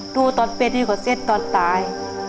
ดูตอนเป็นนี่ก็เสร็จตอนตาย